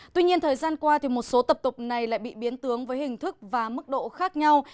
tuy nhiên thời gian qua một số tập tục này lại bị biến tướng với hình thức và mức độ khác nhau